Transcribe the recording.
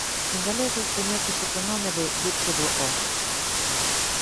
En galego coñécese co nome de "Virxe do O".